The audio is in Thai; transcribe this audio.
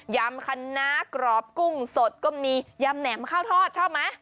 ยำคณะกรอบกุ้งสดก็มียำแหนมข้าวทอดชอบไหม